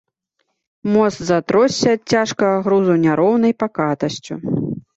Мост затросся ад цяжкага грузу няроўнаю пакатасцю.